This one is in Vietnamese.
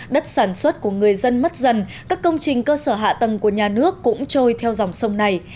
đất sản xuất của người dân mất dần các công trình cơ sở hạ tầng của nhà nước cũng trôi theo dòng sông này